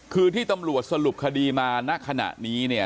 คือที่ตำรวจสรุปคดีมาณขณะนี้เนี่ย